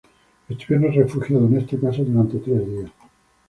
Estuvieron refugiadas en esta casa durante tres días.